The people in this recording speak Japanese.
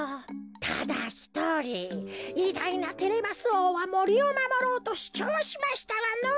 ただひとりいだいなテレマスおうはもりをまもろうとしゅちょうしましたがのぉ。